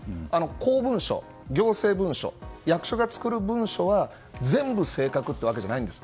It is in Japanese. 公文書、行政文書役所が作る文書は全部、正確というわけじゃないんです。